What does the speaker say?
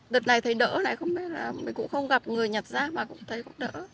đợt này thấy đỡ lại không nên là mình cũng không gặp người nhặt rác mà cũng thấy cũng đỡ